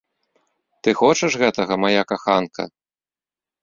Ты хочаш гэтага, мая каханка?